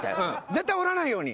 絶対折らないように。